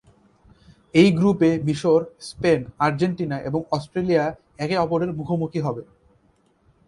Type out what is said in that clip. এই গ্রুপে মিশর, স্পেন, আর্জেন্টিনা এবং অস্ট্রেলিয়া একে অপরের মুখোমুখি হবে।